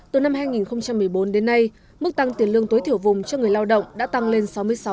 từ năm hai nghìn một mươi bốn đến nay mức tăng tiền lương tối thiểu vùng cho người lao động đã tăng lên sáu mươi sáu